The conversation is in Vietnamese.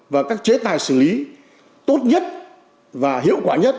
và các chế tài xử lý tốt nhất và hiệu quả nhất